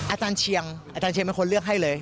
อาจารย์เชียงอาจารย์เชียงเป็นคนเลือกให้เลย